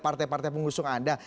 partai partai pengusung anda